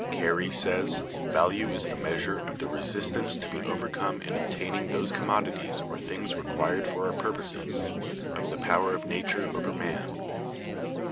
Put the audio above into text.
Carey(192) says, "Value is the measure of the resistance to be overcome in obtaining those commodities or things required for our purposes—of the power of nature over man."